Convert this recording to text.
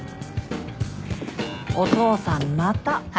お父さんまた。